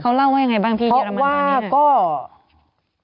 เขาเล่าว่ายังไงบ้างที่เยอรมันตอนนี้